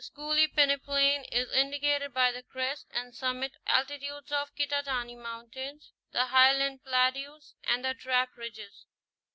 The Schooley peneplain is indicated by the crest and summit altitudes of Kittatinny Mountain, the Highland plateaus and the trap ridges.